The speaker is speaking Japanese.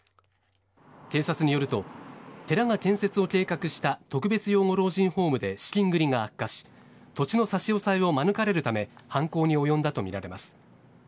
警察によると寺が建設を計画した特別養護老人ホームで資金繰りが悪化し土地の差し押さえを免れるため犯行に及んだとみられます。